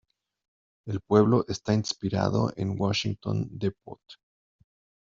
El pueblo está inspirado en Washington Depot.